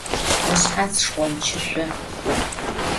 Işshats şşxhomçışso.